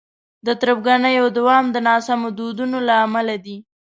د تربګنیو دوام د ناسمو دودونو له امله دی.